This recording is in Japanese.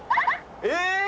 え！